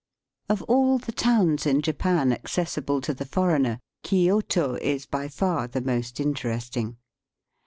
Of all the towns in Japan accessible to the foreigner Kioto is by far the most interesting.